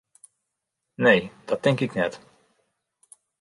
Nee, dat tink ik net.